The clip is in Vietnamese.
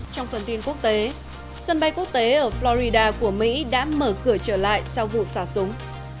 trong phần tin quốc tế sân bay quốc tế ở florida của mỹ đã mở cửa trở lại sau vụ xả súng